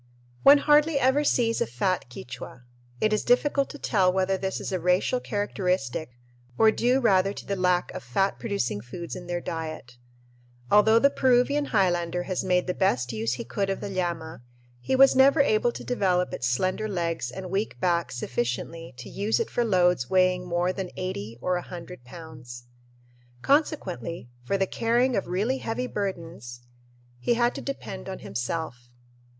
One hardly ever sees a fat Quichua. It is difficult to tell whether this is a racial characteristic or due rather to the lack of fat producing foods in their diet. Although the Peruvian highlander has made the best use he could of the llama, he was never able to develop its slender legs and weak back sufficiently to use it for loads weighing more than eighty or a hundred pounds. Consequently, for the carrying of really heavy burdens he had to depend on himself.